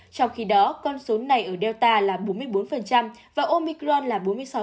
trong khi đó con số này ở delta là bốn mươi bốn và omicron là bốn mươi sáu